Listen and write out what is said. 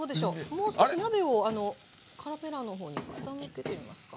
もう少し鍋をカメラの方に傾けてみますか？